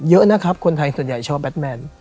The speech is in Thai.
เยอะนะครับคนไทยส่วนใหญ่ชอบแบทแมน